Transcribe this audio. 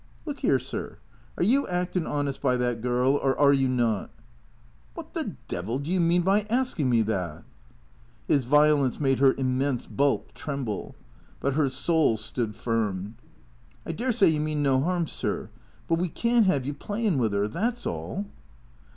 " Look 'ere, sir. Are you actin' honest by that girl, or are you not ?"" What the devil do you mean by asking me that ?" His violence made her immense bulk tremble; but her soul stood firm. " I dessay you mean no 'arm, sir. But we can't 'ave you playin' with 'er. That 's all."